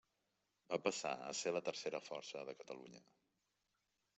Va passar a ser la tercera força de Catalunya.